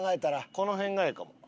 この辺がええかも。